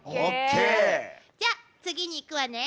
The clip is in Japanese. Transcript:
じゃ次にいくわね。